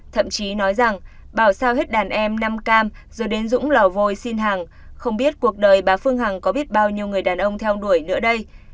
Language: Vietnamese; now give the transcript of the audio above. thậm chí nói rằng bảo sao hết đàn em năm cam rồi đến dũng lò vôi xin hàng không biết cuộc đời bà phương hằng có biết bao nhiêu người đàn ông theo đuổi nữa đây